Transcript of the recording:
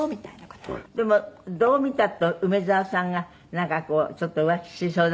でもどう見たって梅沢さんがなんかこうちょっと浮気しそうなね